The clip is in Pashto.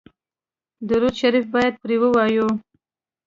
درود شریف باید پرې ووایو.